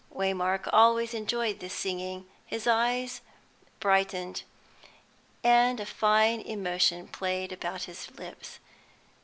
Waymark always enjoyed this singing; his eyes brightened, and a fine emotion played about his lips.